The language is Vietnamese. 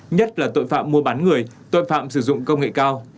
nhất là tội phạm mua bán người tội phạm sử dụng công nghệ cao